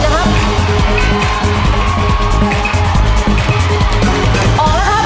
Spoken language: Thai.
ออกแล้วครับ